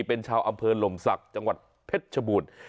เป็นชาวอำเภอลมศักดิ์จังหวัดเพชรชบูรณ์